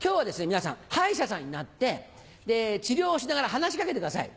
皆さん歯医者さんになって治療をしながら話し掛けてください。